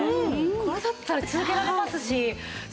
これだったら続けられますし。